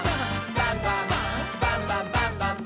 バンバン」「バンバンバンバンバンバン！」